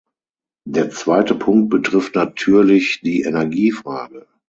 Der zweite Punkt betrifft natürlich die Energiefrage.